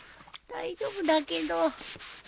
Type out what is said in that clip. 大丈夫だけど。